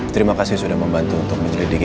terima kasih sudah membantu untuk menyelidiki